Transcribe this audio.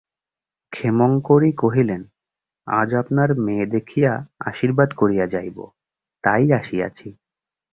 ক্ষেমংকরী কহিলেন, আজ আপনার মেয়ে দেখিয়া আশীর্বাদ করিয়া যাইব, তাই আসিয়াছি।